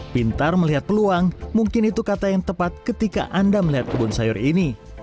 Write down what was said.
pintar melihat peluang mungkin itu kata yang tepat ketika anda melihat kebun sayur ini